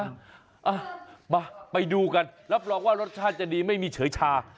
อ่ะมาไปดูกันรับรองว่ารสชาติจะดีไม่มีเฉยชา